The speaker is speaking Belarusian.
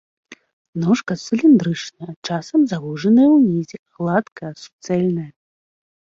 Ножка цыліндрычная, часам завужаная ўнізе, гладкая, суцэльная.